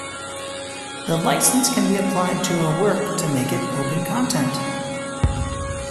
The license can be applied to a work to make it open content.